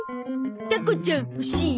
タコちゃん欲しい？